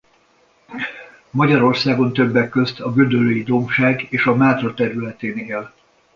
Magyarországon többek közt a Gödöllői-dombság és a Mátra területén él.